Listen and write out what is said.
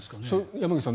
山口さん